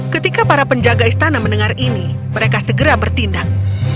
ketika para penjaga istana mendengar ini mereka segera bertindak